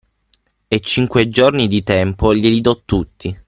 E cinque giorni di tempo glieli do tutti.